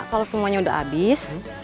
kalau semuanya udah abis